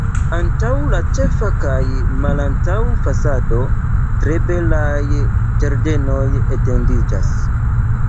Antaŭ la ĉefa kaj malantaŭa fasado tre belaj ĝardenoj etendiĝas.